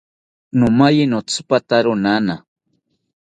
Nomaye notzipatawo nana